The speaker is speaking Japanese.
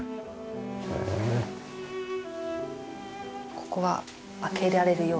ここは開けられるように。